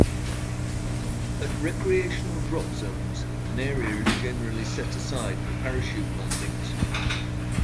At recreational drop zones, an area is generally set side for parachute landings.